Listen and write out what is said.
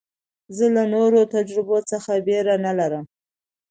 زه له نوو تجربو څخه بېره نه لرم.